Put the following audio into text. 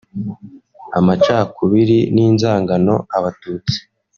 amacakubiri n’inzangano Abatutsi